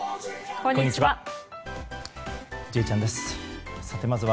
こんにちは。